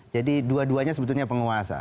jadi dua duanya sebetulnya penguasa